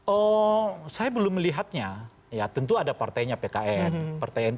oh saya belum melihatnya ya tentu ada partainya pkn